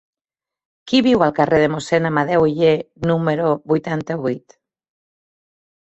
Qui viu al carrer de Mossèn Amadeu Oller número vuitanta-vuit?